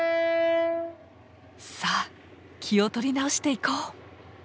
さあ気を取り直していこう。